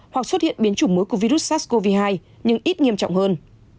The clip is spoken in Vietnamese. hoặc xuất hiện biến chủng mới của virus sars cov hai nhưng ít nghiêm trọng hơn